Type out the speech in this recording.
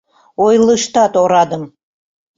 — Ойлыштат орадым!